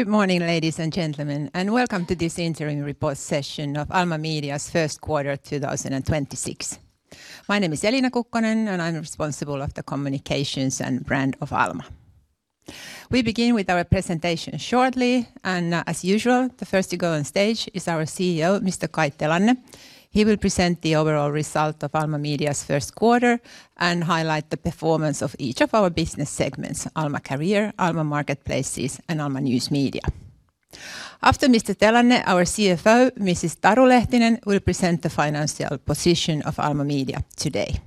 Good morning, ladies and gentlemen, and welcome to this interim report session of Alma Media's first quarter 2026. My name is Elina Kukkonen, and I'm responsible of the communications and brand of Alma. We begin with our presentation shortly. As usual, the first to go on stage is our CEO, Mr. Kai Telanne. He will present the overall result of Alma Media's first quarter and highlight the performance of each of our business segments, Alma Career, Alma Marketplaces, and Alma News Media. After Mr. Telanne, our CFO, Mrs. Taru Lehtinen, will present the financial position of Alma Media today.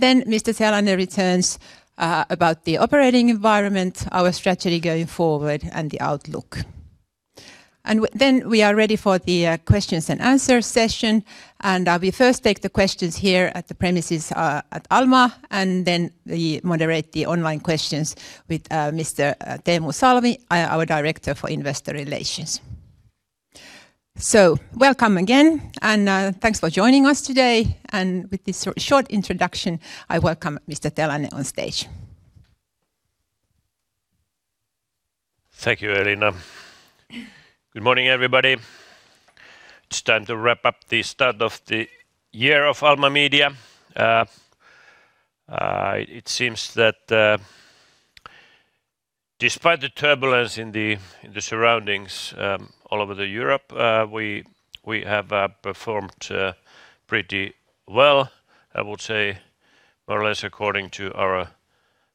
Then Mr. Telanne returns about the operating environment, our strategy going forward, and the outlook. Then we are ready for the questions and answer session, and we first take the questions here at the premises at Alma, and then we moderate the online questions with Mr. Teemu Salmi, our Director for Investor Relations. Welcome again, and thanks for joining us today. With this short introduction, I welcome Mr. Telanne on stage. Thank you, Elina. Good morning, everybody. It's time to wrap up the start of the year of Alma Media. It seems that despite the turbulence in the surroundings, all over Europe, we have performed pretty well, I would say more or less according to our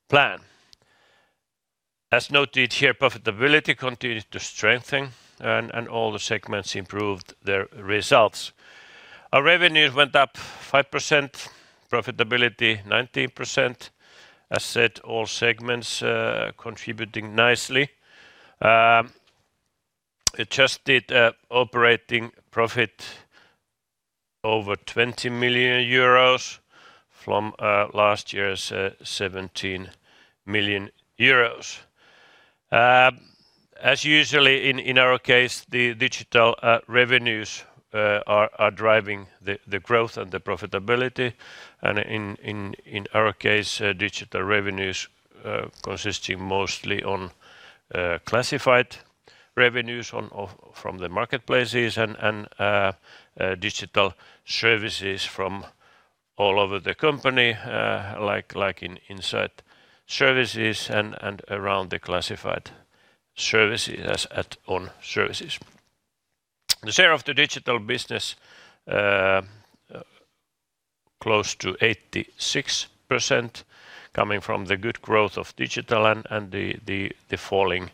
plan. As noted here, profitability continued to strengthen and all the segments improved their results. Our revenues went up 5%, profitability 19%. As said, all segments contributing nicely. Adjusted operating profit over 20 million euros from last year's 17 million euros. As usually in our case, the digital revenues are driving the growth and the profitability, and in our case, digital revenues consisting mostly on classified revenues. from the Marketplaces and digital services from all over the company, like in inside services and around the classified services as add-on services. The share of the digital business, close to 86% coming from the good growth of digital and the falling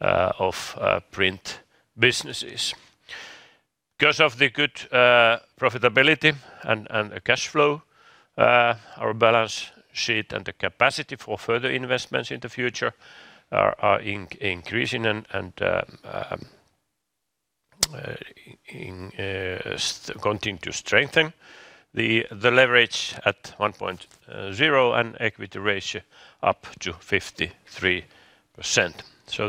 of print businesses. Because of the good profitability and cash flow, our balance sheet and the capacity for further investments in the future are increasing and continue to strengthen. The leverage at 1.0x and equity ratio up to 53%.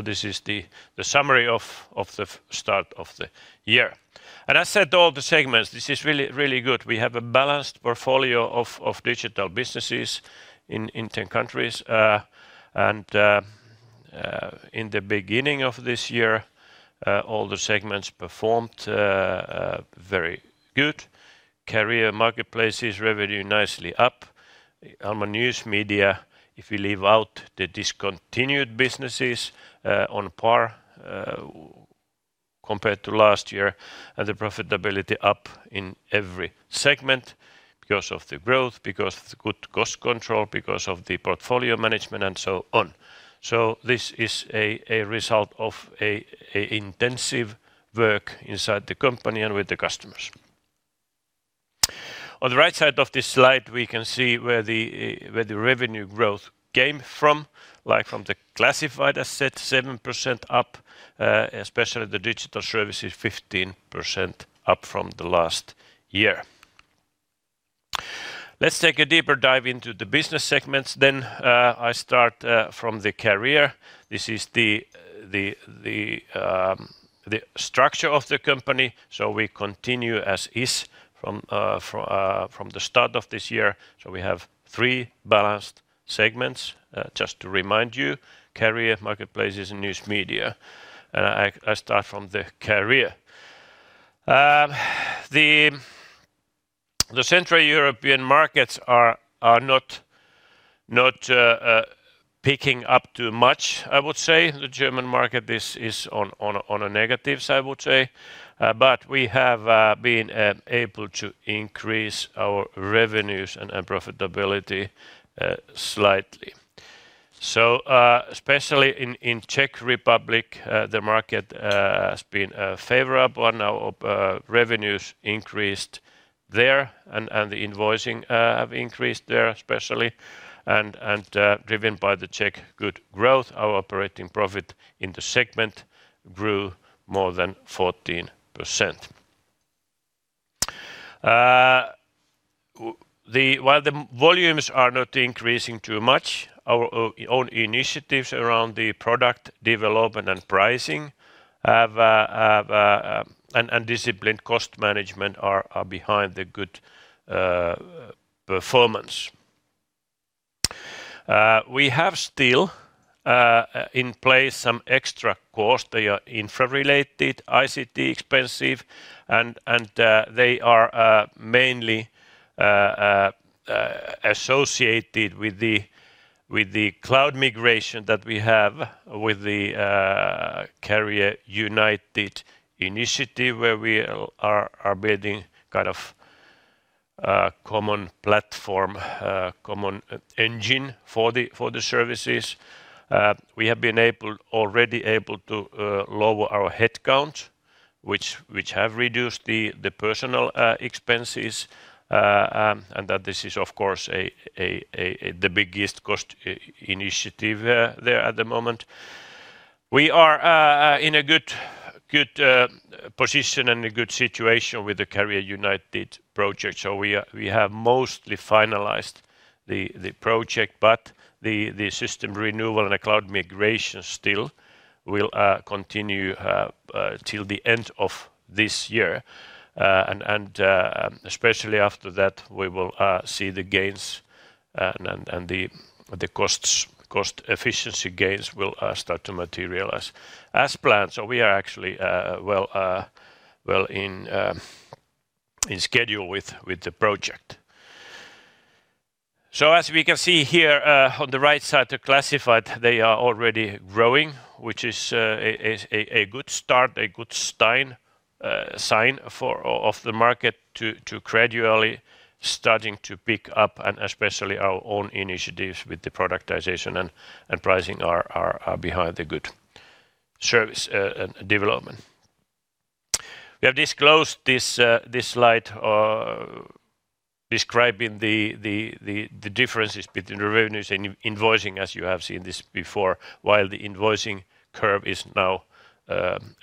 This is the summary of the start of the year. I said all the segments, this is really good. We have a balanced portfolio of digital businesses in 10 countries. In the beginning of this year, all the segments performed very good. Career marketplaces revenue nicely up. Alma News Media, if you leave out the discontinued businesses, on par compared to last year, and the profitability up in every segment because of the growth, because the good cost control, because of the portfolio management and so on. This is a result of intensive work inside the company and with the customers. On the right side of this slide, we can see where the revenue growth came from, like from the classified asset 7% up, especially the digital services 15% up from the last year. Let's take a deeper dive into the business segments then, I start from the Career. This is the structure of the company. We continue as is from the start of this year. We have three balanced segments, just to remind you, Alma Career, Alma Marketplaces, and Alma News Media. I start from the Alma Career. The Central European markets are not picking up too much, I would say. The German market, this is on a negative side, I would say. We have been able to increase our revenues and profitability slightly. Especially in Czech Republic, the market has been favorable and our revenues increased there and the invoicing have increased there especially. Driven by the Czech good growth, our operating profit in the segment grew more than 14%. While the volumes are not increasing too much, our own initiatives around the product development and pricing have, and disciplined cost management are behind the good performance. We have still in place some extra cost. They are infra-related, ICT expensive, and they are mainly associated with the cloud migration that we have with the Career United Initiative, where we are building kind of a common platform, common engine for the services. We have already able to lower our headcount, which have reduced the personal expenses. This is of course the biggest cost initiative there at the moment. We are in a good position and a good situation with the Career United Project. We have mostly finalized the project, but the system renewal and the cloud migration still will continue till the end of this year. Especially after that, we will see the gains and the cost efficiency gains will start to materialize as planned. We are actually well in schedule with the project. As we can see here, on the right side, the classified, they are already growing, which is a good start, a good sign for the market to gradually starting to pick up, and especially our own initiatives with the productization and pricing are behind the good service and development. We have disclosed this slide describing the differences between the revenues and invoicing as you have seen this before. While the invoicing curve is now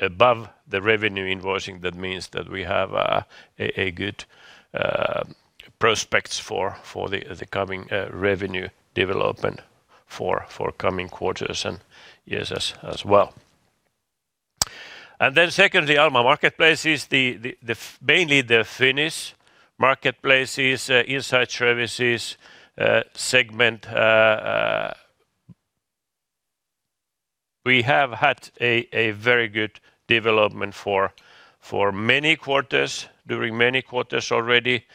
above the revenue invoicing, that means that we have a good prospects for the coming revenue development for coming quarters and years as well. Secondly, Alma Marketplaces is the mainly the Finnish marketplaces, inside services segment, we have had a very good development for many quarters, during many quarters already,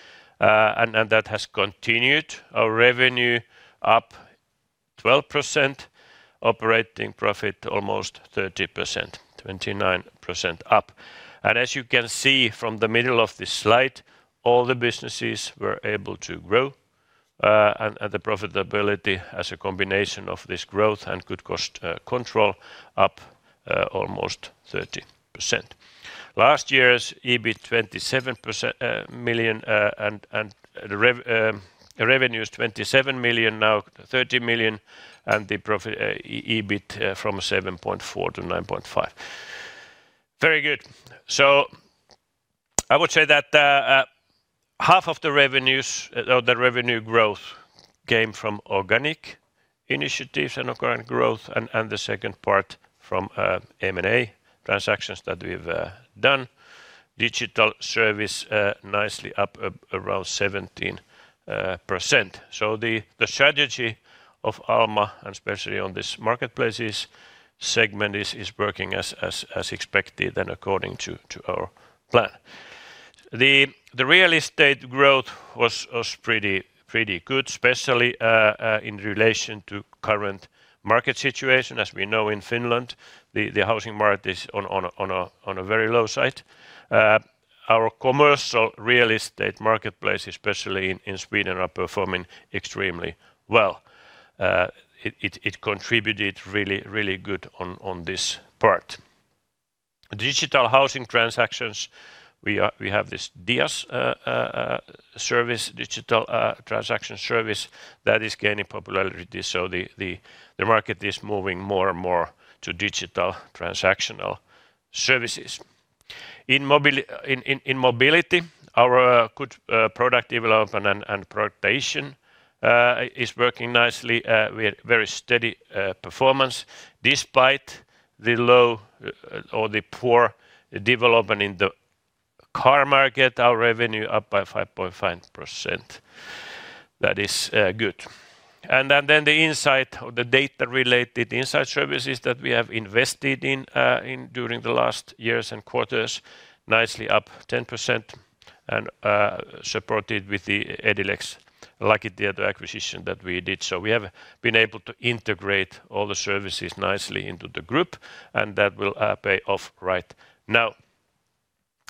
and that has continued our revenue up 12%, operating profit almost 30%, 29% up. As you can see from the middle of this slide, all the businesses were able to grow, and the profitability as a combination of this growth and good cost control up almost 30%. Last year's revenue is 27 million, now 30 million, and the profit, EBIT, from 7.4 million to 9.5 million. Very good. I would say that half of the revenues or the revenue growth came from organic initiatives and organic growth and the second part from M&A transactions that we've done. digital service nicely up around 17%. The strategy of Alma, and especially on this Marketplaces segment is working as expected and according to our plan. The real estate growth was pretty good, especially in relation to current market situation. As we know in Finland, the housing market is on a very low side. Our commercial real estate marketplace, especially in Sweden, are performing extremely well. It contributed really good on this part. Digital housing transactions, we have this DIAS service, digital transaction service that is gaining popularity. The market is moving more and more to digital transactional services. In mobility, our good product development and preparation is working nicely with very steady performance. Despite the low or the poor development in the car market, our revenue up by 5.5%. That is good. Then the insight or the data-related insight services that we have invested in during the last years and quarters, nicely up 10% and supported with the Edilex Lakitieto acquisition that we did. We have been able to integrate all the services nicely into the group, and that will pay off right now.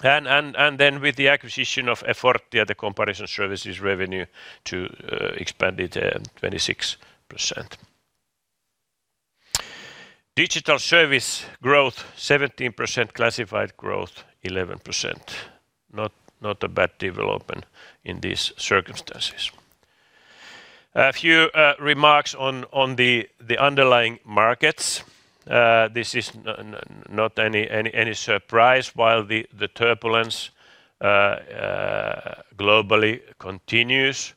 Then with the acquisition of Effortia, the comparison services revenue to expanded 26%. Digital service growth 17%. Classified growth 11%. Not a bad development in these circumstances. A few remarks on the underlying markets. This is not any surprise while the turbulence globally continues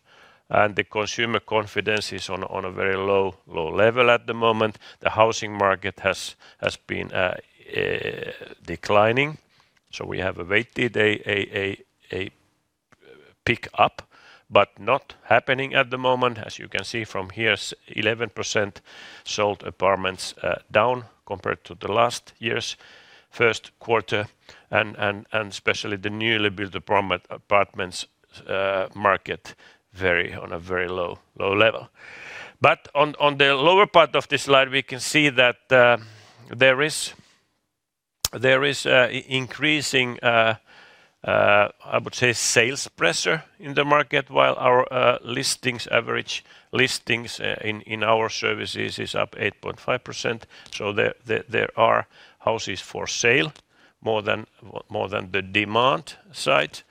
and the consumer confidence is on a very low level at the moment. The housing market has been declining. We have awaited a pick up, but not happening at the moment. As you can see from here, 11% sold apartments down compared to the last year's first quarter and especially the newly built apartments market very on a very low level. On, on the lower part of this slide, we can see that there is increasing, I would say sales pressure in the market while our listings, average listings, in our services is up 8.5%, so there are houses for sale more than, more than the demand side.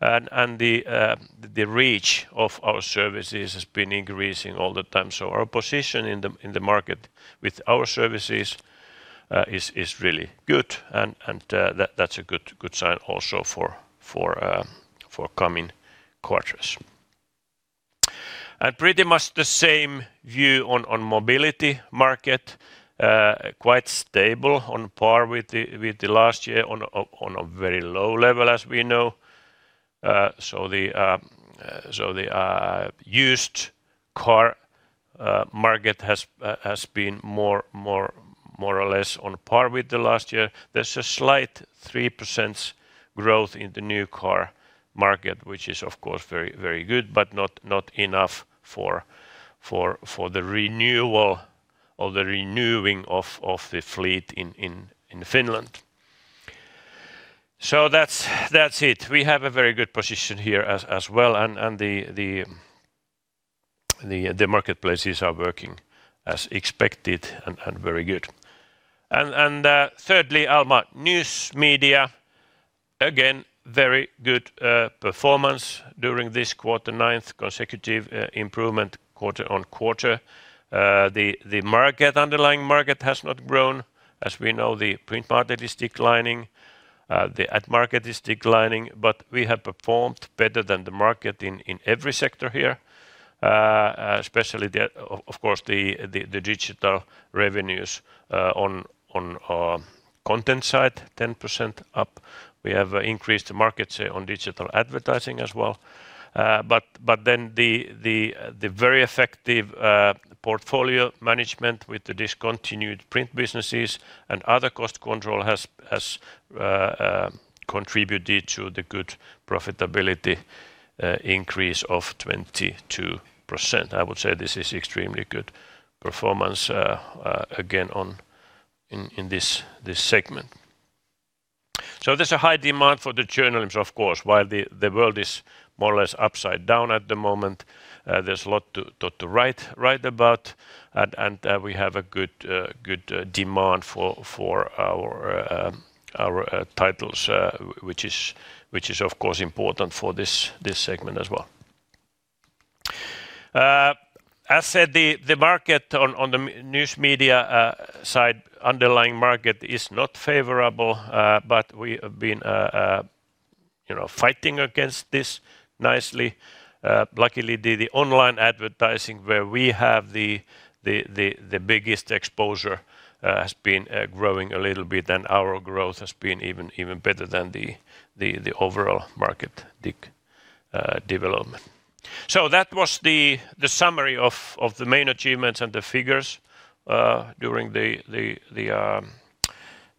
The reach of our services has been increasing all the time, so our position in the market with our services is really good and that's a good sign also for coming quarters. Pretty much the same view on mobility market. Quite stable on par with the last year on a very low level, as we know. The used car market has been more or less on par with the last year. There's a slight 3% growth in the new car market, which is of course very good, but not enough for the renewal or the renewing of the fleet in Finland. That's it. We have a very good position here as well and the marketplaces are working as expected and very good. Thirdly, Alma News Media, again, very good performance during this quarter, ninth consecutive improvement quarter-on-quarter. The underlying market has not grown. As we know, the print market is declining. The ad market is declining. We have performed better than the market in every sector here, especially of course, the digital revenues on our content side, 10% up. We have increased markets on digital advertising as well. The very effective portfolio management with the discontinued print businesses and other cost control has contributed to the good profitability increase of 22%. I would say this is extremely good performance again in this segment. There's a high demand for the journalism, of course, while the world is more or less upside down at the moment. There's a lot to write about and we have a good demand for our titles, which is of course important for this segment as well. As said, the market on the news media side, underlying market is not favorable, but we have been, you know, fighting against this nicely. Luckily, the online advertising where we have the biggest exposure has been growing a little bit, and our growth has been even better than the overall market development. That was the summary of the main achievements and the figures during the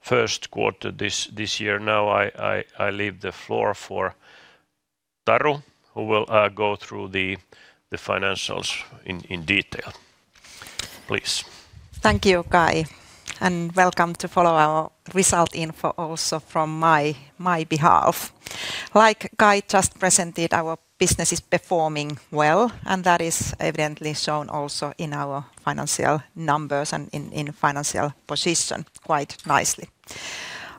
first quarter this year. Now I leave the floor for Taru, who will go through the financials in detail. Please. Thank you, Kai, welcome to follow our result info also from my behalf. Like Kai just presented, our business is performing well, that is evidently shown also in our financial numbers and in financial position quite nicely.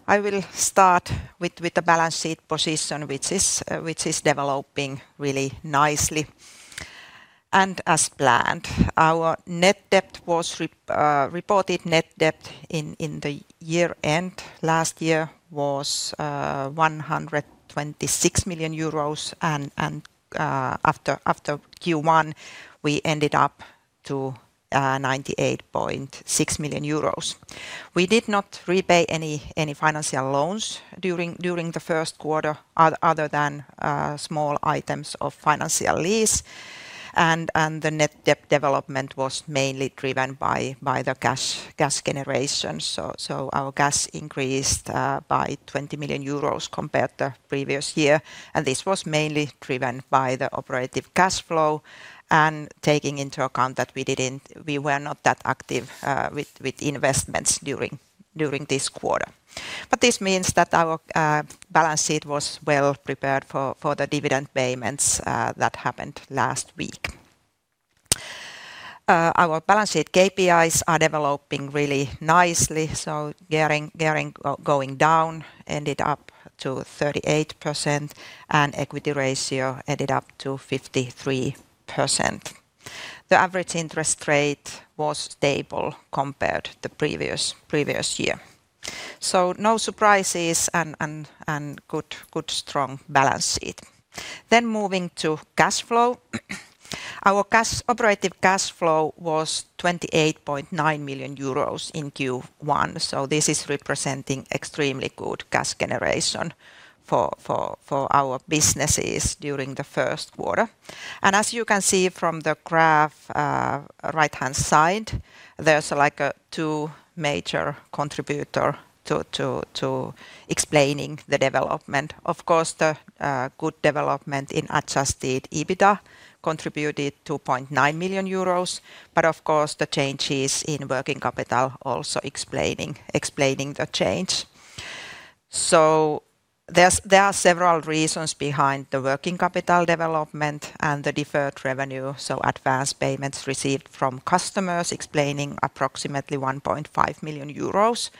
I will start with the balance sheet position, which is developing really nicely and as planned. Our net debt was reported net debt in the year-end last year was 126 million euros, after Q1, we ended up to 98.6 million euros. We did not repay any financial loans during the first quarter other than small items of financial lease and the net debt development was mainly driven by the cash generation. Our cash increased by 20 million euros compared to previous year, and this was mainly driven by the operative cash flow and taking into account that we were not that active with investments during this quarter. This means that our balance sheet was well prepared for the dividend payments that happened last week. Our balance sheet KPIs are developing really nicely, so gearing going down ended up to 38%, and equity ratio ended up to 53%. The average interest rate was stable compared the previous year. No surprises and good strong balance sheet. Moving to cash flow. Our operative cash flow was 28.9 million euros in Q1, so this is representing extremely good cash generation for our businesses during the first quarter. As you can see from the graph, right-hand side, there's a two major contributor to explaining the development. Of course, the good development in adjusted EBITDA contributed 2.9 million euros, but of course, the changes in working capital also explaining the change. There are several reasons behind the working capital development and the deferred revenue, so advanced payments received from customers explaining approximately 1.5 million euros,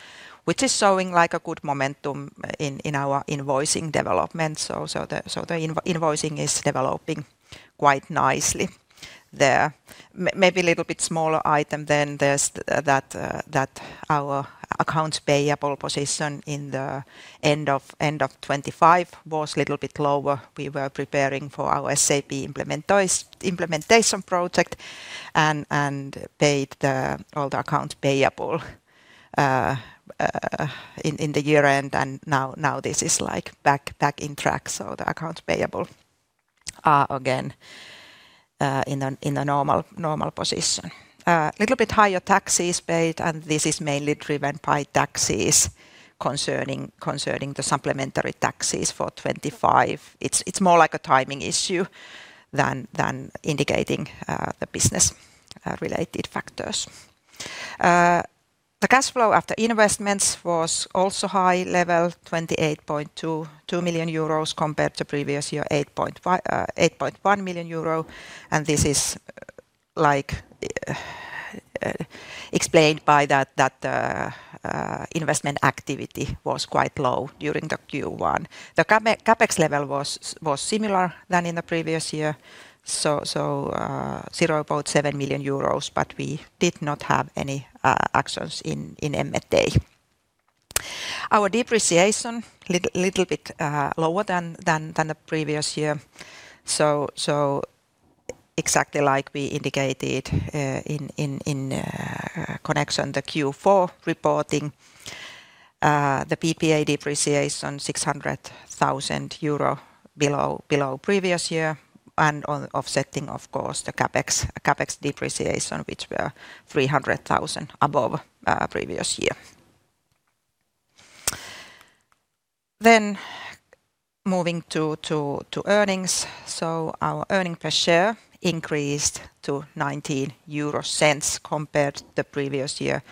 which is showing a good momentum in our invoicing development. The invoicing is developing quite nicely there. Maybe a little bit smaller item then there's that our accounts payable position in the end of 2025 was a little bit lower. We were preparing for our SAP implementation project and paid all the accounts payable in the year-end, and now this is, like, back in track, so the accounts payable are again in a normal position. Little bit higher taxes paid, and this is mainly driven by taxes concerning the supplementary taxes for 2025. It's more like a timing issue than indicating the business related factors. The cash flow after investments was also high level, 28.2 million euros compared to previous year 8.1 million euro, and this is, like, explained by that investment activity was quite low during the Q1. The CapEx level was similar than in the previous year, so, zero about 7 million euros, but we did not have any actions in M&A. Our depreciation, little bit lower than the previous year, so exactly like we indicated in connection the Q4 reporting. The PPA depreciation 600,000 euro below previous year, and on offsetting, of course, the CapEx depreciation, which were 300,000 above previous year. Moving to earnings. Our earning per share increased to 0.19 compared the previous year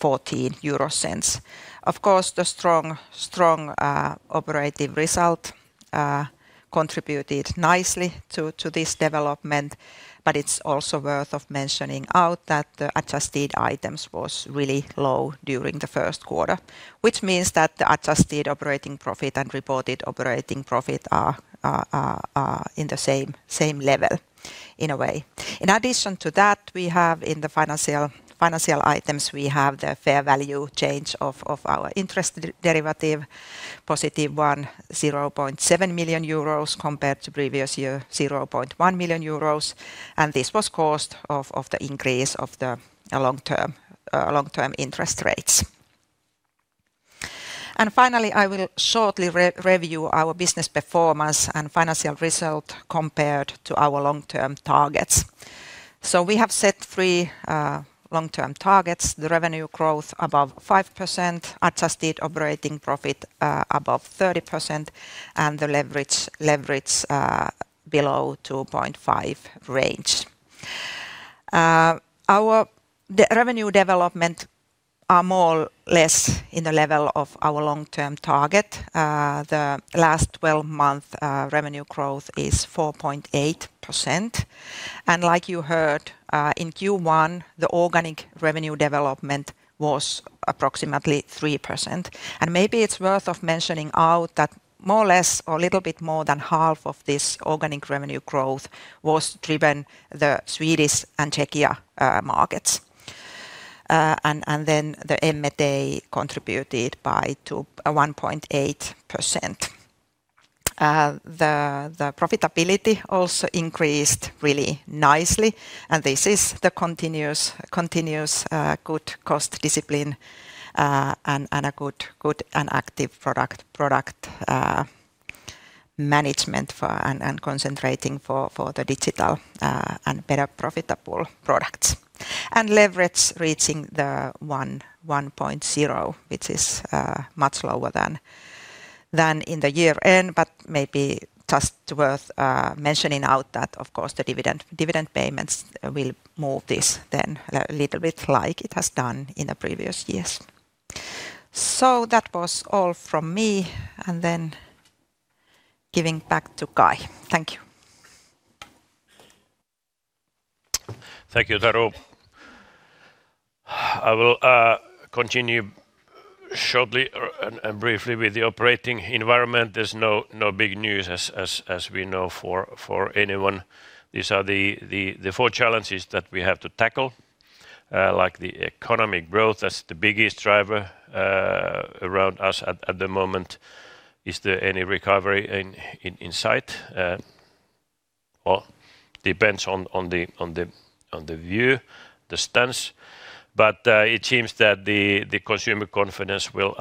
0.14. Of course, the strong operative result contributed nicely to this development, but it's also worth of mentioning out that the adjusted items was really low during the first quarter. Which means that the adjusted operating profit and reported operating profit are in the same level in a way. In addition to that, we have in the financial items, we have the fair value change of our interest derivative, + 0.7 million euros compared to previous year 0.1 million euros, this was caused of the increase of the long-term interest rates. Finally, I will shortly re-review our business performance and financial result compared to our long-term targets. We have set three long-term targets, the revenue growth above 5%, adjusted operating profit above 30%, and the leverage below 2.5x range. The revenue development is more or less in the level of our long-term target. The last 12-month revenue growth is 4.8%. Like you heard, in Q1, the organic revenue development was approximately 3%. Maybe it's worth mentioning out that more or less or a little bit more than half of this organic revenue growth was driven the Swedish and Czechia markets. Then the M&A contributed by to a 1.8%. The profitability also increased really nicely, and this is the continuous good cost discipline and a good and active product management for and concentrating for the digital and better profitable products. Leverage reaching the 1.0x, which is much lower than in the year-end, but maybe just worth mentioning out that of course the dividend payments will move this then a little bit like it has done in the previous years. That was all from me, giving back to Kai. Thank you. Thank you, Taru. I will continue shortly and briefly with the operating environment. There's no big news as we know for anyone. These are the four challenges that we have to tackle. Like the economic growth, that's the biggest driver around us at the moment. Is there any recovery in sight? Well, depends on the view, the stance. It seems that the consumer confidence will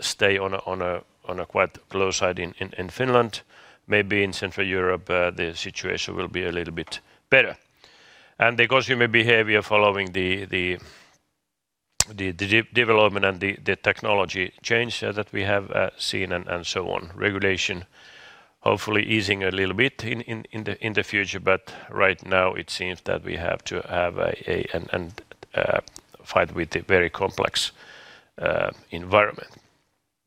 stay on a quite low side in Finland. Maybe in Central Europe, the situation will be a little bit better. The consumer behavior following the development and the technology change that we have seen and so on. Regulation hopefully easing a little bit in the future, but right now it seems that we have to have a fight with a very complex environment.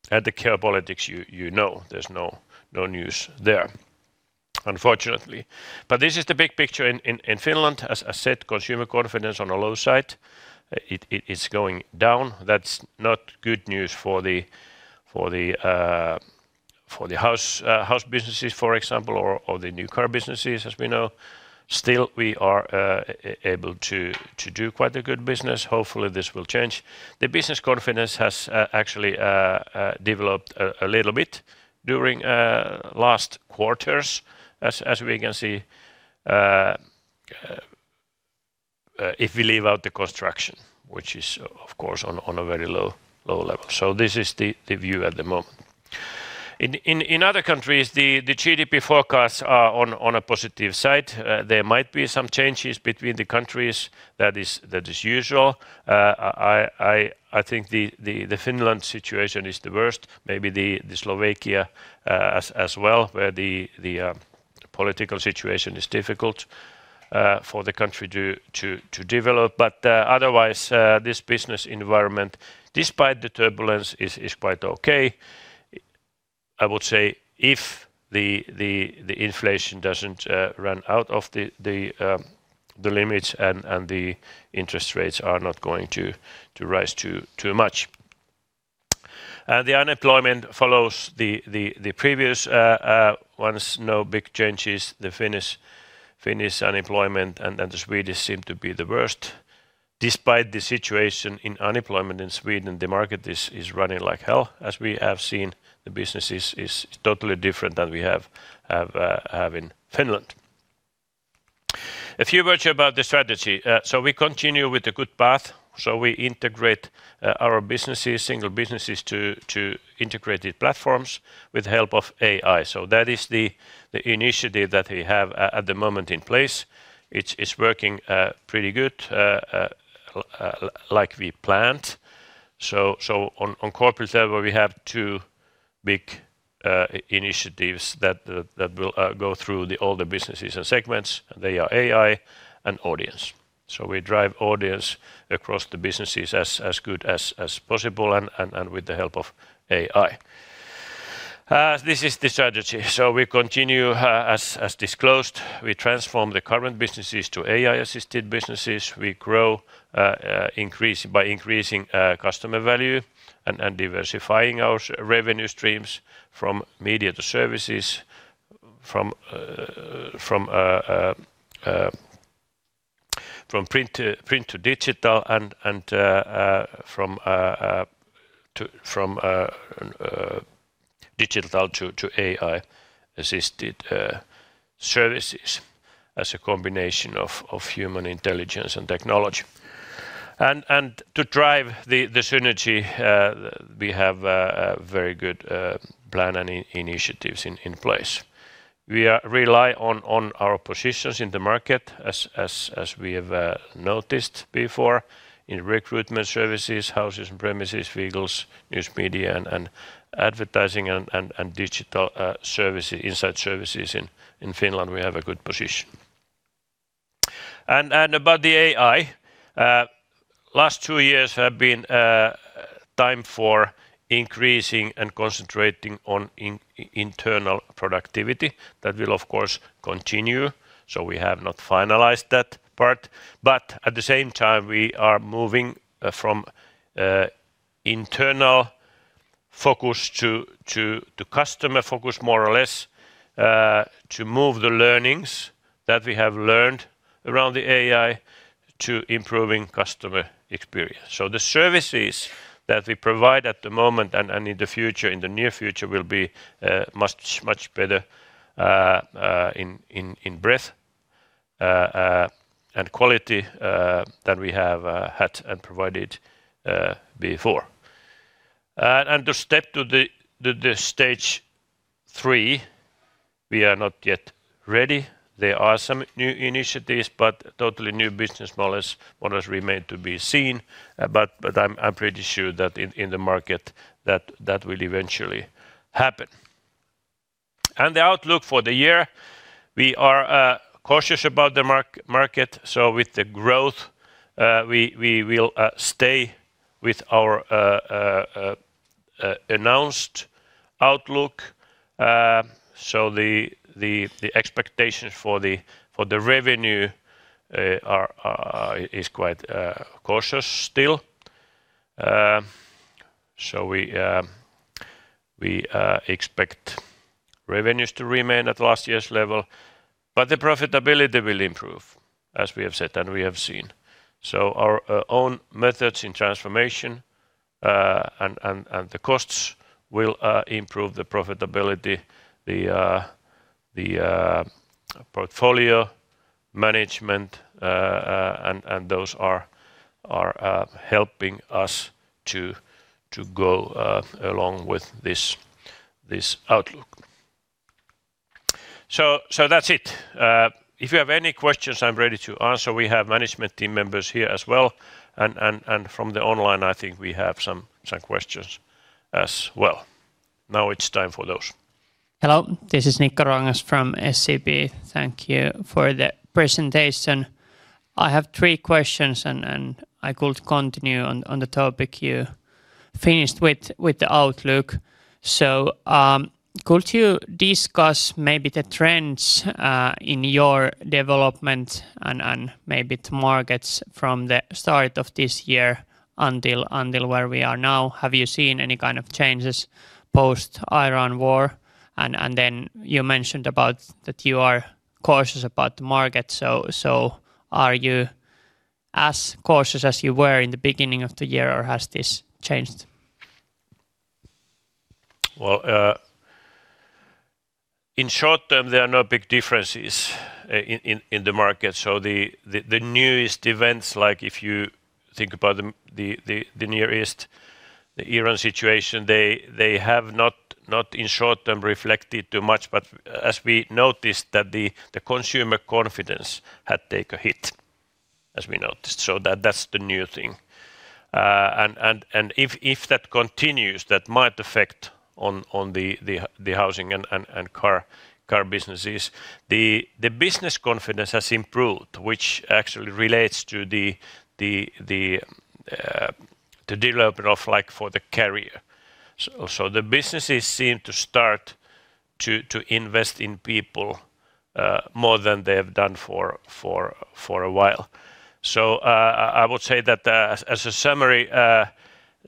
The care politics, you know there's no news there, unfortunately. This is the big picture in Finland. As I said, consumer confidence on a low side. It is going down. That's not good news for the house businesses, for example, or the new car businesses, as we know. Still, we are able to do quite a good business. Hopefully, this will change. The business confidence has actually developed a little bit during last quarters as we can see. If we leave out the construction, which is, of course, on a very low level. This is the view at the moment. In other countries, the GDP forecasts are on a positive side. There might be some changes between the countries. That is usual. I think the Finland situation is the worst. Maybe the Slovakia as well, where the political situation is difficult for the country to develop. Otherwise, this business environment, despite the turbulence, is quite okay, I would say, if the inflation doesn't run out of the limits and the interest rates are not going to rise too much. The unemployment follows the previous ones. No big changes. The Finnish unemployment and then the Swedish seem to be the worst. Despite the situation in unemployment in Sweden, the market is running like hell. As we have seen, the businesses is totally different than we have in Finland. A few words about the strategy. We continue with the good path. We integrate our businesses, single businesses to integrated platforms with help of AI. That is the initiative that we have at the moment in place. It's working pretty good like we planned. On corporate level, we have two big initiatives that will go through the all the businesses and segments. They are AI and audience. We drive audience across the businesses as good as possible and with the help of AI. This is the strategy. We continue as disclosed. We transform the current businesses to AI-assisted businesses. We grow, increase by increasing customer value and diversifying our revenue streams from media to services, from from print to digital and from digital to AI-assisted services as a combination of human intelligence and technology. To drive the synergy, we have a very good plan and initiatives in place. We rely on our positions in the market as we have noticed before in recruitment services, houses and premises, vehicles, news media and advertising and digital services, inside services in Finland, we have a good position. About the AI, last two years have been time for increasing and concentrating on internal productivity. That will, of course, continue, so we have not finalized that part. At the same time, we are moving from internal focus to customer focus more or less, to move the learnings that we have learned around the AI to improving customer experience. The services that we provide at the moment and in the future, in the near future will be much better in breadth and quality than we have had and provided before. To step to the stage three, we are not yet ready. There are some new initiatives, but totally new business models remain to be seen. I'm pretty sure that in the market that will eventually happen. The outlook for the year, we are cautious about the market. With the growth, we will stay with our announced outlook. The expectations for the revenue is quite cautious still. We expect revenues to remain at last year's level, but the profitability will improve as we have said and we have seen. Our own methods in transformation, and the costs will improve the profitability, the portfolio management. And those are helping us to go along with this outlook. That's it. If you have any questions, I am ready to answer. We have management team members here as well. From the online, I think we have some questions as well. Now it is time for those. Hello, this is Nikko Ruokangas from SEB. Thank you for the presentation. I have three questions and I could continue on the topic you finished with the outlook. Could you discuss maybe the trends in your development and maybe the markets from the start of this year until where we are now? Have you seen any kind of changes post Ukraine war? You mentioned about that you are cautious about the market. Are you as cautious as you were in the beginning of the year or has this changed? Well, in short term, there are no big differences in the market. The newest events, like if you think about the nearest Iran situation, they have not in short term reflected too much, but as we noticed that the consumer confidence had take a hit, as we noticed. That's the new thing. If that continues, that might affect on the housing and car businesses. The business confidence has improved, which actually relates to the development of like for the Alma Career. The businesses seem to start to invest in people more than they have done for a while. I would say that, as a summary,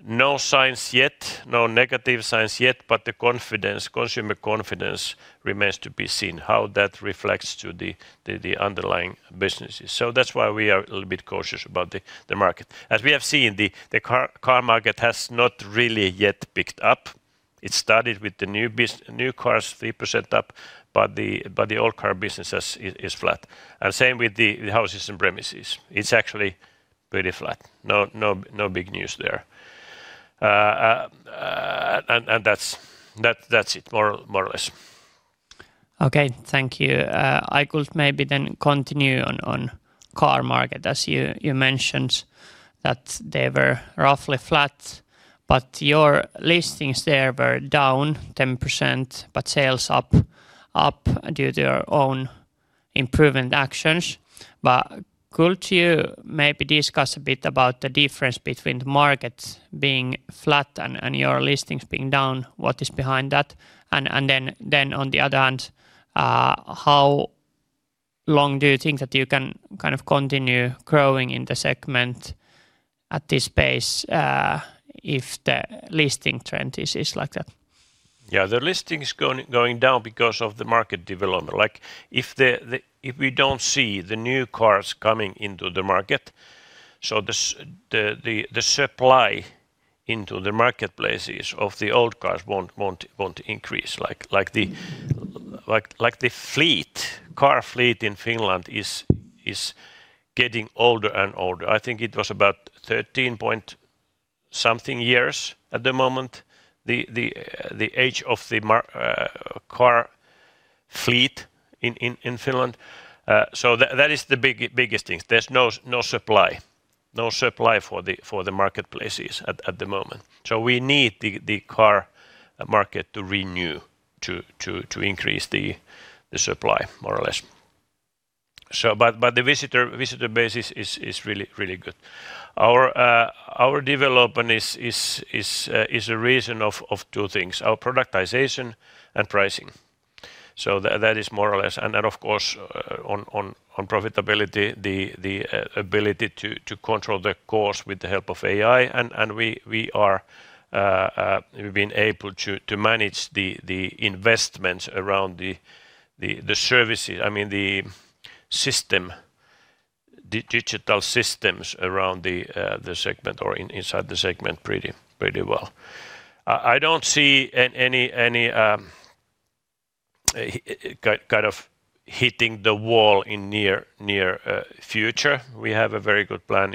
no signs yet, no negative signs yet, but the confidence, consumer confidence remains to be seen how that reflects to the underlying businesses. That's why we are a little bit cautious about the market. As we have seen, the car market has not really yet picked up. It started with the new cars, 3% up, but the old car business is flat. Same with the houses and premises. It's actually pretty flat. No big news there. That's it more or less. Okay. Thank you. I could maybe then continue on car market. As you mentioned that they were roughly flat, but your listings there were down 10%, but sales up due to your own improvement actions. Could you maybe discuss a bit about the difference between the markets being flat and your listings being down? What is behind that? Then on the other hand, how long do you think that you can kind of continue growing in the segment at this pace, if the listing trend is like that? Yeah. The listing is going down because of the market development. Like if we don't see the new cars coming into the market, the supply into the Alma Marketplaces of the old cars won't increase. Like the fleet, car fleet in Finland is getting older and older. I think it was about 13-point-something years at the moment, the age of the car fleet in Finland. That is the biggest thing. There's no supply. No supply for the Alma Marketplaces at the moment. We need the car market to renew to increase the supply more or less. But the visitor base is really good. Our development is a reason of two things: our productization and pricing. That is more or less. Then, of course, on profitability, the ability to control the course with the help of AI, and we are, we've been able to manage the investments around the services. I mean, the system, the digital systems around the segment or inside the segment pretty well. I don't see any kind of hitting the wall in near future. We have a very good plan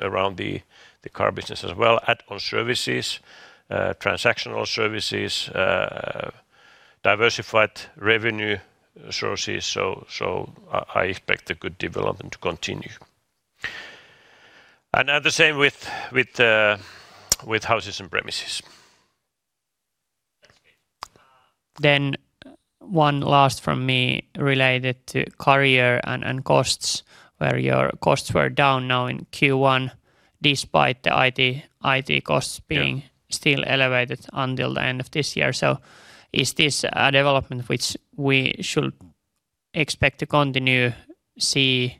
around the car business as well. Add-on services, transactional services, diversified revenue sources. I expect the good development to continue. And the same with houses and premises. One last from me related to Career and costs, where your costs were down now in Q1 despite the IT costs. Yeah... still elevated until the end of this year. Is this a development to continue see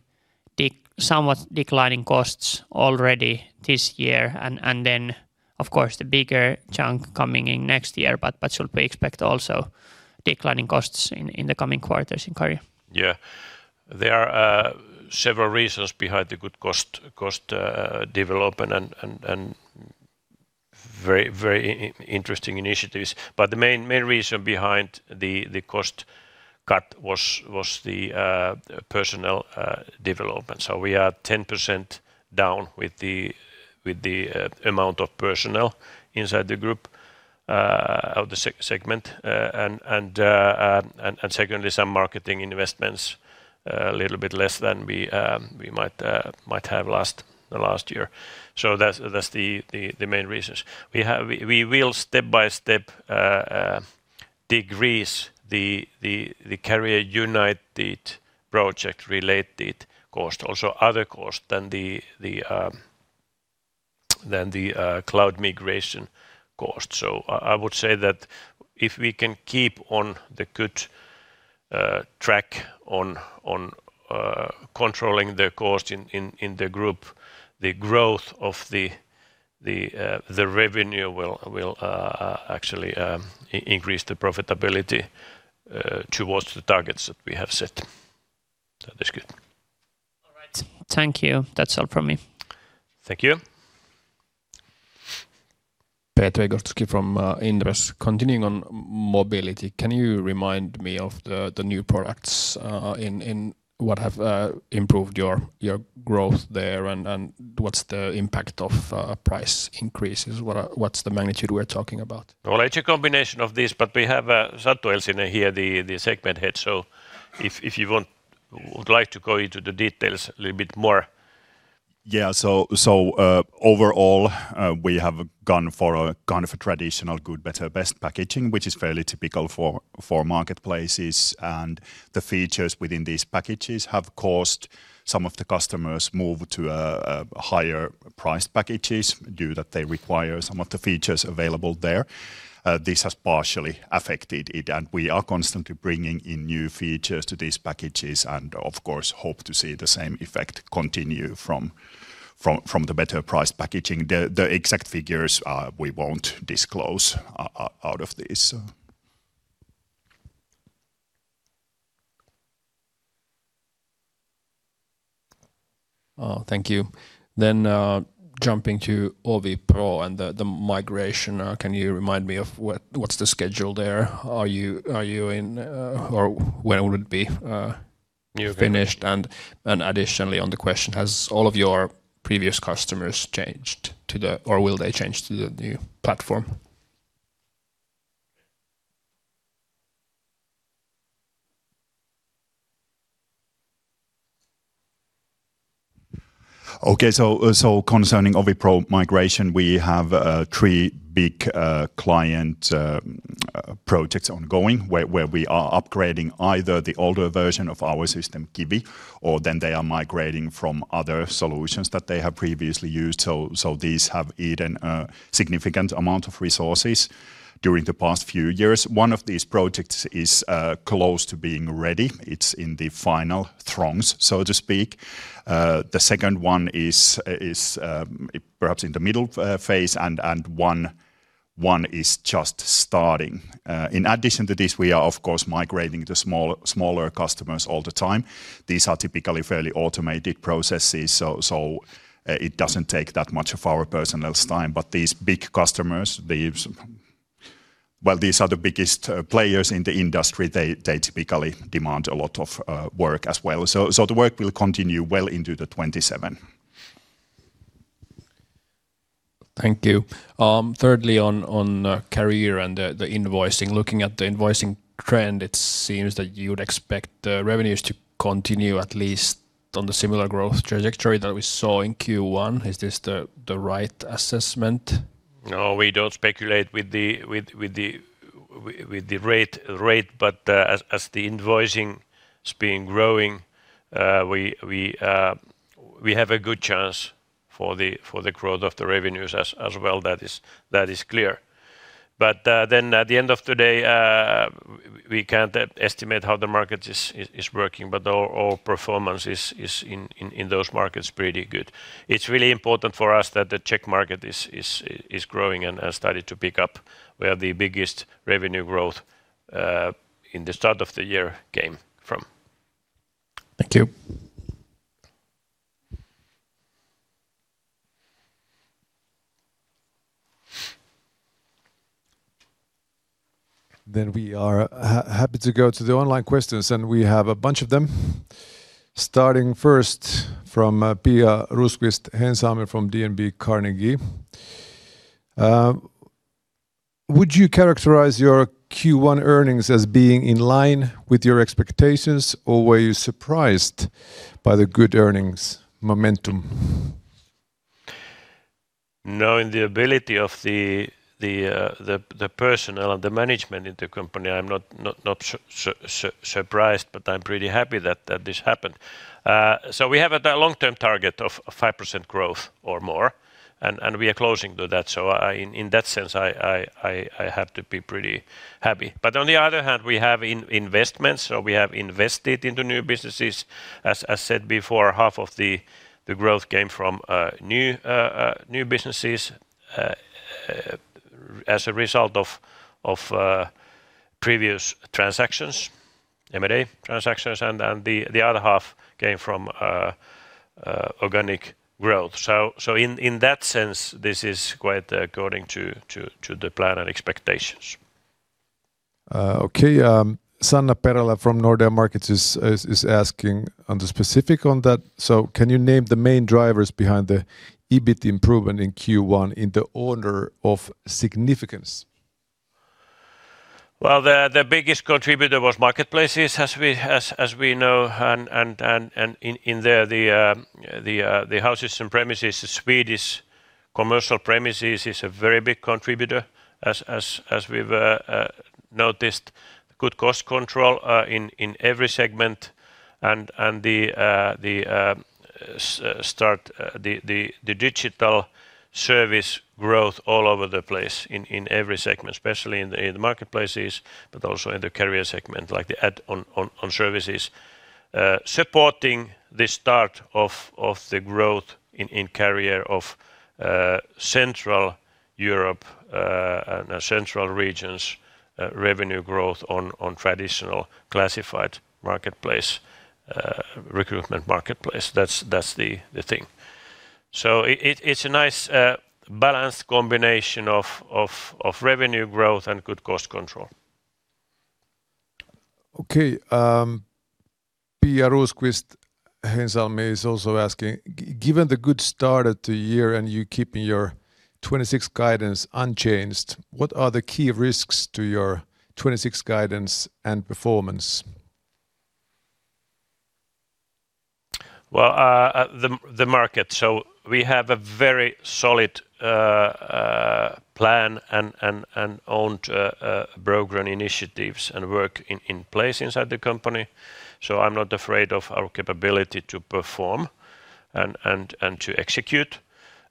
somewhat declining costs already this year and then, of course, the bigger chunk coming in next year. Should we expect also declining costs in the coming quarters in Career? There are several reasons behind the good cost development and very interesting initiatives. The main reason behind the cost cut was the personnel development. We are 10% down with the amount of personnel inside the group of the segment. Secondly, some marketing investments, a little bit less than we might have last year. That's the main reasons. We will step by step decrease the Alma Career project-related cost, also other cost than the cloud migration cost. I would say that if we can keep on the good track on controlling the cost in the group, the growth of the revenue will actually increase the profitability towards the targets that we have set. That's good. All right. Thank you. That's all from me. Thank you. Petri Gostowski from Inderes. Continuing on mobility, can you remind me of the new products, in what have improved your growth there? And what's the impact of price increases? What's the magnitude we're talking about? It's a combination of these, but we have Santtu Elsinen here, the segment head. If you would like to go into the details a little bit more. Overall, we have gone for a kind of a traditional good, better, best packaging, which is fairly typical for marketplaces. The features within these packages have caused some of the customers move to higher-priced packages due that they require some of the features available there. This has partially affected it, and we are constantly bringing in new features to these packages and of course, hope to see the same effect continue from the better-priced packaging. The exact figures, we won't disclose out of this. Thank you. Jumping to OviPro and the migration, can you remind me of what's the schedule there? Are you in, or when will it be? New version finished? Additionally on the question, has all of your previous customers changed to the or will they change to the new platform? Okay. Concerning OviPro migration, we have three big client projects ongoing where we are upgrading either the older version of our system, KIVI, or they are migrating from other solutions that they have previously used. These have eaten a significant amount of resources during the past few years. One of these projects is close to being ready. It's in the final throes, so to speak. The second one is perhaps in the middle phase, and one is just starting. In addition to this, we are of course migrating to smaller customers all the time. These are typically fairly automated processes, so it doesn't take that much of our personnel's time. These big customers. Well, these are the biggest players in the industry. They typically demand a lot of work as well. The work will continue well into 2027. Thank you. Thirdly, on Career and the invoicing. Looking at the invoicing trend, it seems that you would expect the revenues to continue at least on the similar growth trajectory that we saw in Q1. Is this the right assessment? No, we don't speculate with the rate. As the invoicing has been growing, we have a good chance for the growth of the revenues as well. That is clear. Then at the end of the day, we can't estimate how the market is working, but our performance is in those markets pretty good. It's really important for us that the Czech market is growing and starting to pick up where the biggest revenue growth in the start of the year came from. Thank you. We are happy to go to the online questions, and we have a bunch of them. Starting first from Pia Rosqvist-Heinsalmi from DNB Carnegie. Would you characterize your Q1 earnings as being in line with your expectations, or were you surprised by the good earnings momentum? Knowing the ability of the personnel and the management in the company, I'm not surprised, but I'm pretty happy that this happened. We have a long-term target of 5% growth or more, and we are closing to that. In that sense, I have to be pretty happy. On the other hand, we have investments, so we have invested into new businesses. As said before, half of the growth came from new businesses as a result of previous transactions, M&A transactions, and the other half came from organic growth. In that sense, this is quite according to the plan and expectations. Okay. Sanna Perälä from Nordea Markets is asking on the specific on that. Can you name the main drivers behind the EBIT improvement in Q1 in the order of significance? Well, the biggest contributor was Alma Marketplaces as we know and in there the houses and premises, the Swedish commercial premises is a very big contributor as we've noticed. Good cost control in every segment and the start, the digital service growth all over the place in every segment, especially in the Alma Marketplaces, but also in the Alma Career segment, like the add-on services supporting the start of the growth in Alma Career of Central Europe and central regions, revenue growth on traditional classified marketplace, recruitment marketplace. That's the thing. It's a nice balanced combination of revenue growth and good cost control. Okay. Pia Rosqvist-Heinsalmi is also asking, given the good start of the year and you keeping your 2026 guidance unchanged, what are the key risks to your 2026 guidance and performance? Well, the market. We have a very solid plan and owned program initiatives and work in place inside the company. I'm not afraid of our capability to perform and to execute.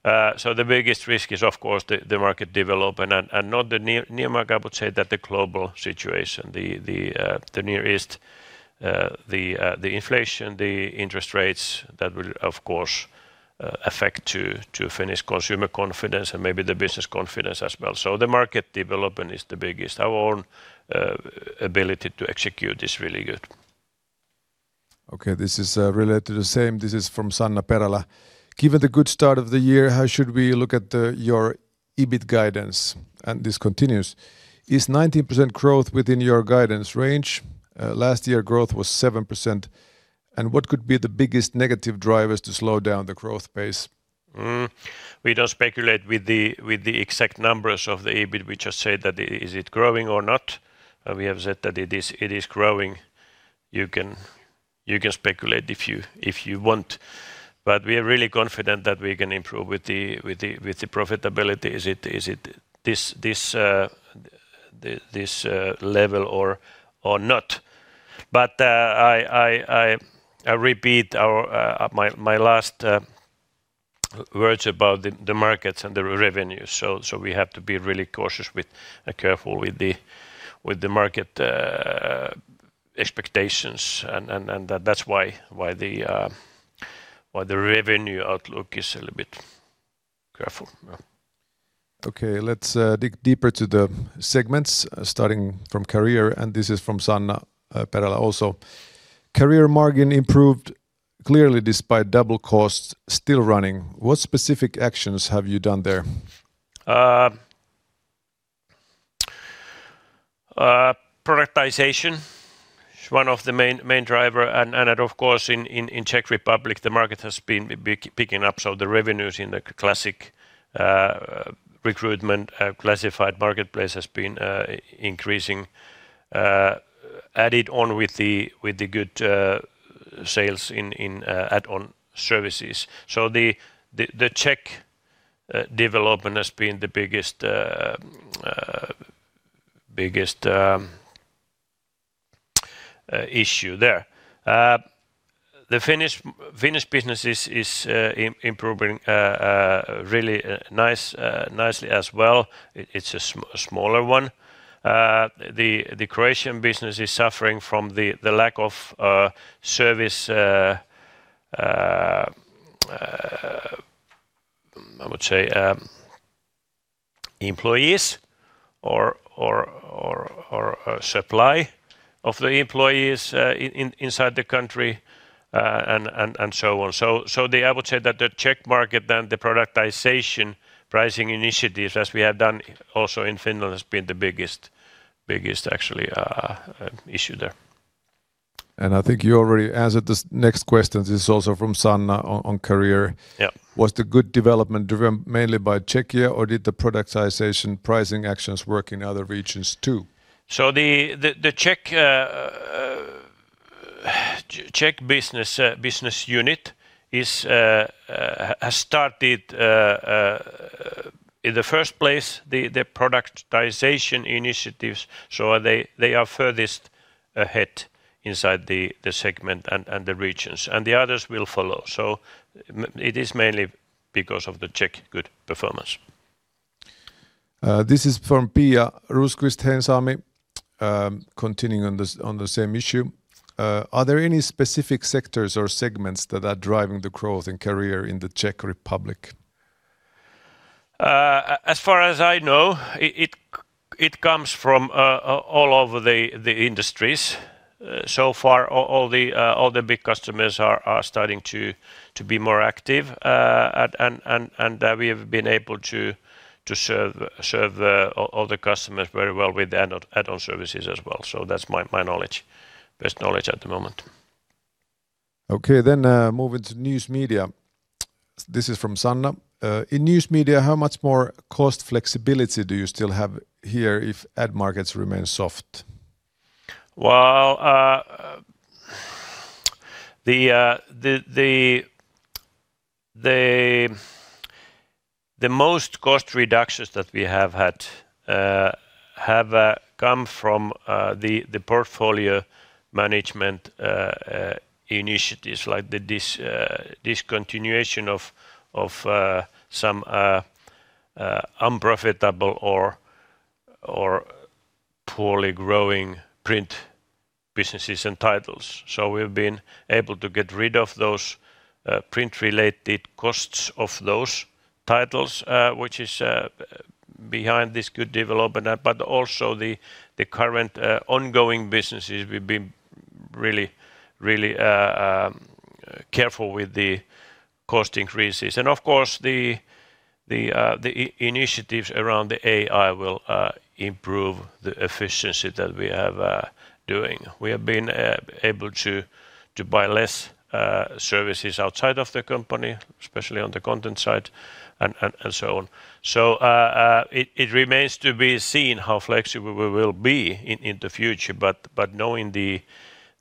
The biggest risk is of course the market development and not the near market, I would say that the global situation, the Near East, the inflation, the interest rates that will of course affect to Finnish consumer confidence and maybe the business confidence as well. The market development is the biggest. Our own ability to execute is really good. Okay, this is related to the same. This is from Sanna Perälä. Given the good start of the year, how should we look at your EBIT guidance? This continues. Is 19% growth within your guidance range? Last year growth was 7%. What could be the biggest negative drivers to slow down the growth pace? We don't speculate with the exact numbers of the EBIT. We just say that is it growing or not? We have said that it is growing. You can speculate if you want, but we are really confident that we can improve with the profitability. Is it this level or not? I repeat my last words about the markets and the revenue. We have to be really cautious with and careful with the market expectations and that's why the revenue outlook is a little bit careful. Okay. Let's dig deeper to the segments starting from Career. This is from Sanna Perälä also. Career margin improved clearly despite double costs still running. What specific actions have you done there? Productization is one of the main driver and of course in Czech Republic the market has been picking up, so the revenues in the classic recruitment classified marketplace has been increasing added on with the good sales in add-on services. The Czech development has been the biggest issue there. The Finnish business is improving really nicely as well. It's a smaller one. The Croatian business is suffering from the lack of service I would say employees or supply of the employees inside the country and so on. I would say that the Czech market then the productization pricing initiatives as we have done also in Finland has been the biggest actually issue there. I think you already answered this next question. This is also from Sanna on Career. Yeah. Was the good development driven mainly by Czechia or did the productization pricing actions work in other regions too? The Czech business unit has started in the first place the productization initiatives. They are furthest ahead inside the segment and the regions, and the others will follow. It is mainly because of the Czech good performance. This is from Pia Rosqvist-Heinsalmi, continuing on the same issue. Are there any specific sectors or segments that are driving the growth in career in the Czech Republic? As far as I know, it comes from all over the industries. So far, all the big customers are starting to be more active. We have been able to serve all the customers very well with add-on services as well. That's my knowledge. Best knowledge at the moment. Okay. Moving to News Media. This is from Sanna. In News Media, how much more cost flexibility do you still have here if ad markets remain soft? Well, the most cost reductions that we have had have come from the portfolio management initiatives like the discontinuation of some unprofitable or poorly growing print businesses and titles. We've been able to get rid of those print-related costs of those titles, which is behind this good development. Also the current ongoing businesses, we've been really careful with the cost increases. Of course, the initiatives around the AI will improve the efficiency that we have doing. We have been able to buy less services outside of the company, especially on the content side and so on. It remains to be seen how flexible we will be in the future. Knowing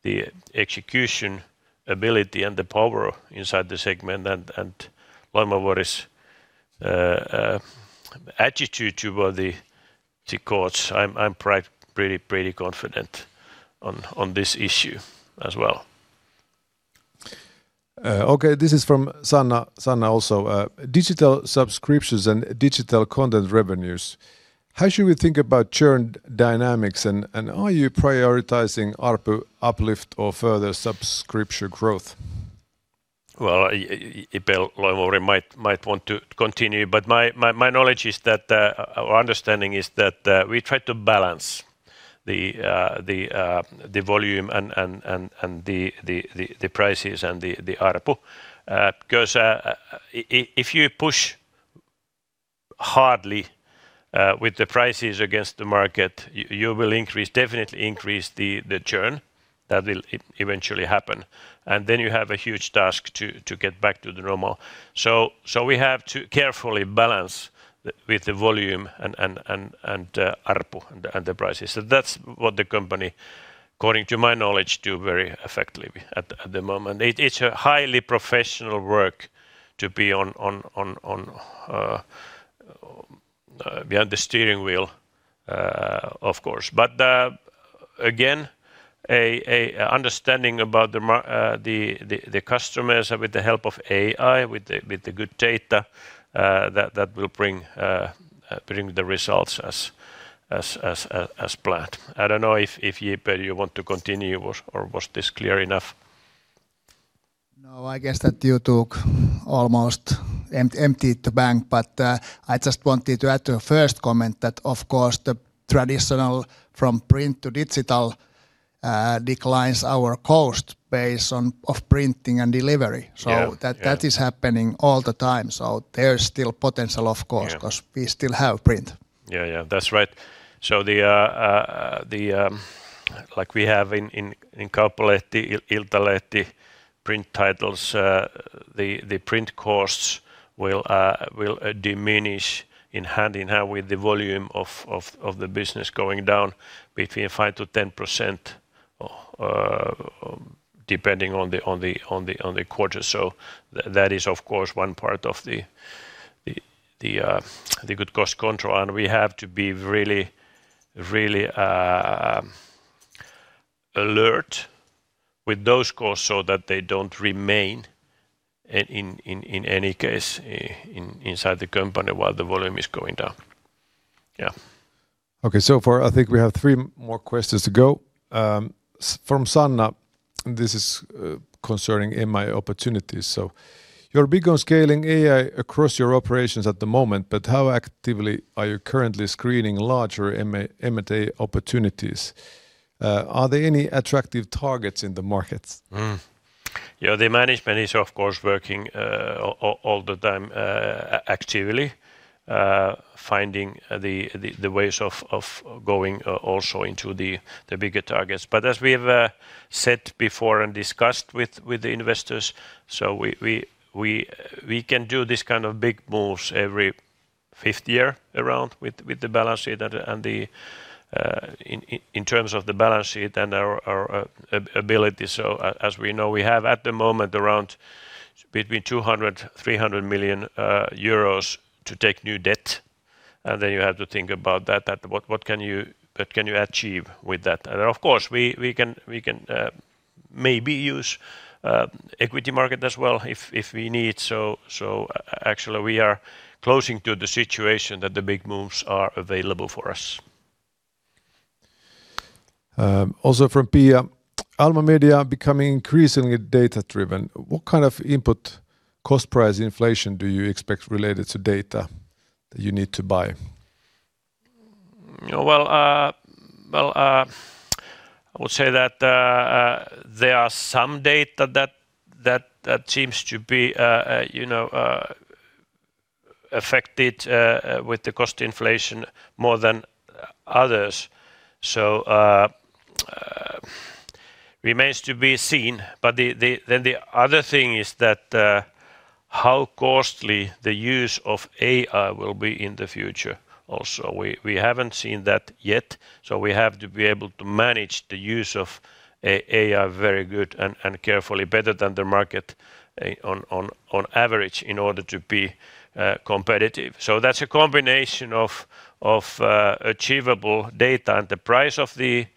the execution ability and the power inside the segment and Loimovuori's attitude toward the costs, I'm pretty confident on this issue as well. Okay. This is from Sanna also. Digital subscriptions and digital content revenues. How should we think about churn dynamics, and are you prioritizing ARPU uplift or further subscription growth? Juha-Petri Loimovuori might want to continue, but my knowledge is that our understanding is that we try to balance the volume and the prices and the ARPU. If you push hardly with the prices against the market, you will definitely increase the churn that will eventually happen. You have a huge task to get back to the normal. We have to carefully balance with the volume and ARPU and the prices. That's what the company, according to my knowledge, do very effectively at the moment. It's a highly professional work to be on behind the steering wheel, of course. Again, a understanding about the customers with the help of AI, with the good data, that will bring the results as planned. I don't know if Juha-Petri, you want to continue or was this clear enough? No, I guess that you took almost emptied the bank. I just wanted to add to the first comment that, of course, the traditional from print to digital declines our cost based on, of printing and delivery. Yeah. Yeah. That is happening all the time. There's still potential, of course. Yeah 'Cause we still have print. Yeah. That's right. The like we have in Kauppalehti, Iltalehti print titles, the print costs will diminish in hand in hand with the volume of the business going down between 5%-10%, depending on the quarter. That is, of course, one part of the good cost control. We have to be really alert with those costs so that they don't remain in any case inside the company while the volume is going down. Yeah. Okay. So far, I think we have three more questions to go. From Sanna, this is concerning M&A opportunities. You're big on scaling AI across your operations at the moment, but how actively are you currently screening larger M&A opportunities? Are there any attractive targets in the markets? Yeah, the management is, of course, working all the time actively finding the ways of going also into the bigger targets. As we have said before and discussed with the investors, we can do this kind of big moves every fifth year around with the balance sheet and in terms of the balance sheet and our ability. As we know, we have at the moment around between 200 million-300 million euros to take new debt. You have to think about what can you achieve with that? Of course, we can maybe use equity market as well if we need. Actually, we are closing to the situation that the big moves are available for us. Also from Pia. Alma Media becoming increasingly data-driven, what kind of input cost price inflation do you expect related to data that you need to buy? You know, well, well, I would say that there are some data that seems to be, you know, affected with the cost inflation more than others. Remains to be seen. The other thing is that how costly the use of AI will be in the future also. We haven't seen that yet, we have to be able to manage the use of AI very good and carefully better than the market on average in order to be competitive. That's a combination of achievable data and the price of the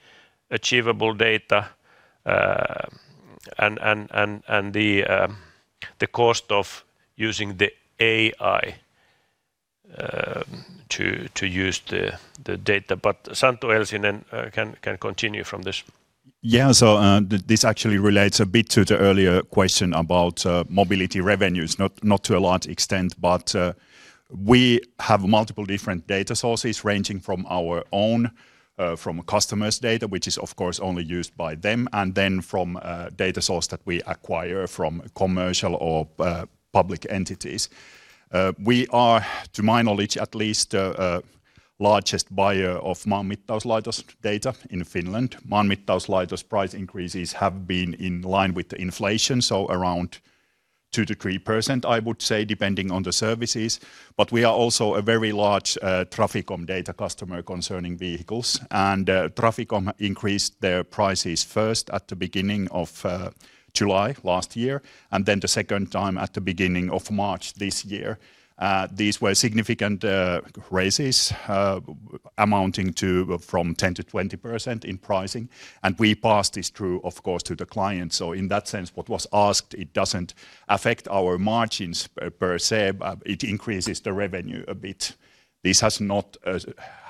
achievable data, and the cost of using the AI to use the data. Santtu Elsinen can continue from this. Yeah. This actually relates a bit to the earlier question about mobility revenues, not to a large extent, but we have multiple different data sources ranging from our own, from customers' data, which is of course only used by them, and then from data source that we acquire from commercial or public entities. We are, to my knowledge at least, largest buyer of Maanmittauslaitos data in Finland. Maanmittauslaitos price increases have been in line with the inflation, so around 2%-3%, I would say, depending on the services. We are also a very large Traficom data customer concerning vehicles. Traficom increased their prices first at the beginning of July last year, and then the second time at the beginning of March this year. These were significant raises, amounting to from 10%-20% in pricing. We passed this through, of course, to the clients. In that sense, what was asked, it doesn't affect our margins per se, but it increases the revenue a bit. This has not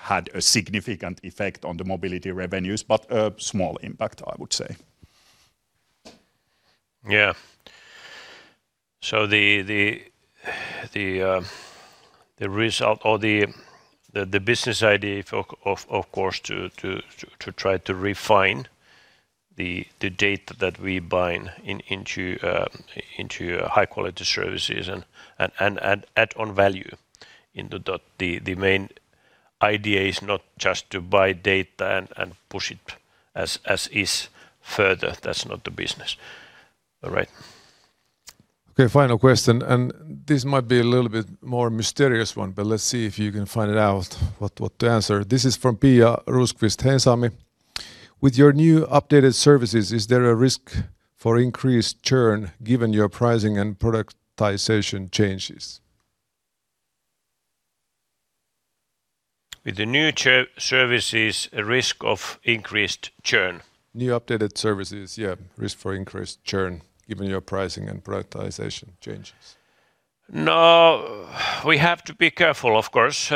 had a significant effect on the mobility revenues, but a small impact, I would say. Yeah. The result or the business idea of course, to try to refine the data that we buying into high-quality services and add on value into that. The main idea is not just to buy data and push it as is further. That's not the business. All right. Okay, final question, this might be a little bit more mysterious one, let's see if you can find it out what to answer. This is from Pia Rosqvist-Heinsalmi. With your new updated services, is there a risk for increased churn given your pricing and productization changes? With the new services, a risk of increased churn? New updated services, yeah, risk for increased churn given your pricing and productization changes. No. We have to be careful, of course.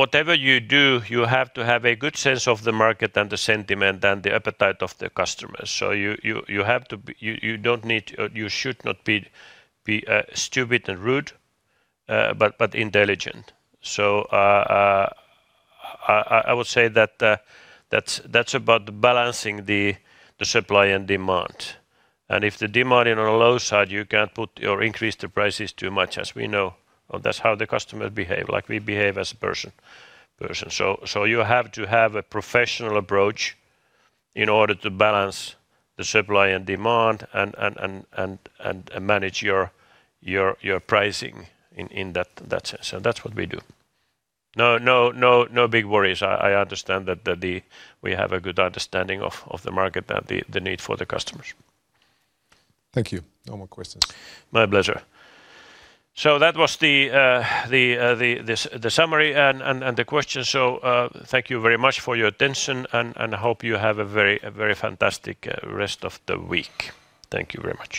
Whatever you do, you have to have a good sense of the market and the sentiment and the appetite of the customers. You have to be. You don't need, you should not be stupid and rude, but intelligent. I would say that's about balancing the supply and demand. If the demand is on a low side, you can't put or increase the prices too much as we know, or that's how the customer behave, like we behave as a person. You have to have a professional approach in order to balance the supply and demand and manage your pricing in that sense, and that's what we do. No, no, no big worries. I understand that we have a good understanding of the market and the need for the customers. Thank you. No more questions. My pleasure. That was the summary and the questions. Thank you very much for your attention and hope you have a very fantastic rest of the week. Thank you very much.